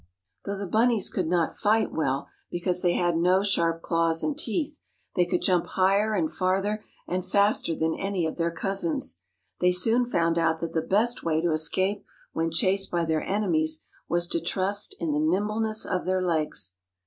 Page 84.] Though the bunnies could not fight well, because they had no sharp claws and teeth, they could jump higher and farther and faster than any of their cousins. They soon found out that the best way to escape when chased by their enemies was to trust in the nimbleness of their legs.